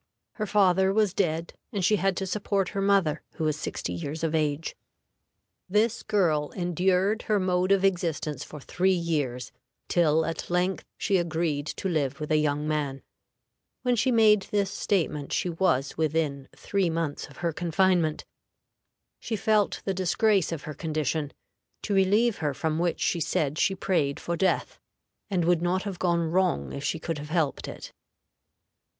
Her father was dead, and she had to support her mother, who was sixty years of age. This girl endured her mode of existence for three years, till at length she agreed to live with a young man. When she made this statement she was within three months of her confinement. She felt the disgrace of her condition, to relieve her from which she said she prayed for death, and would not have gone wrong if she could have helped it.